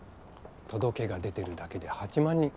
届けが出てるだけで８万人。